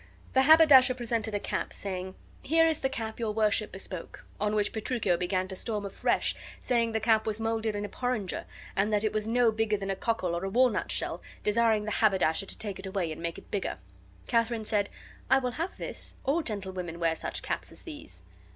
The haberdasher presented a cap, saying, "Here is the cap your worship bespoke." On which Petruchio began to storm afresh, saying the cap was molded in a porringer and that it was no bigger than a cockle or walnut shell, desiring the haberdasher to take it away and make it bigger. Katharine said, "I will have this; all gentlewomen wear such caps as these."